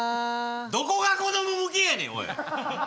どこがこども向けやねんおい！